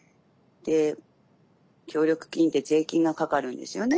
協力金って税金がかかるんですよね。